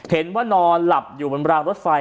เห็นว่านอนหลับอยู่บนรางรถไฟ